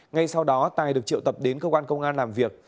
ngay sau đó tài được triệu tập đến cơ quan công an làm việc